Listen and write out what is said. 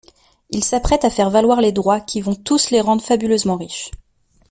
Il s'apprête à faire valoir les droits qui vont tous les rendre fabuleusement riches.